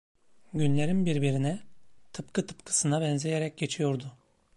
Günlerim birbirine tıpkı tıpkısına benzeyerek geçiyordu.